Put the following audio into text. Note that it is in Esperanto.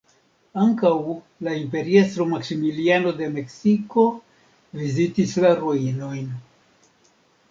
Ankaŭ la imperiestro Maksimiliano de Meksiko vizitis la ruinojn.